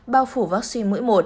bao phủ vaccine mũi một